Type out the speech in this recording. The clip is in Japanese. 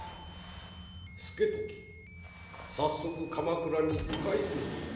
資時早速鎌倉に使いせよ。